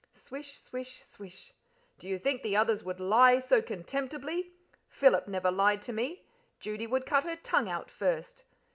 Swish, swish, swish. "Do you think the others would lie so contemptibly? Philip never lied to me. Judy would cut her tongue out first."